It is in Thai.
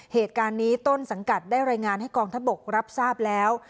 เหตุการณ์นี้ต้นสังกัดได้รายงานให้กองทัพบกรับทราบแล้ว